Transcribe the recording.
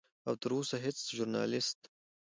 او تر اوسه هیڅ ژورنالست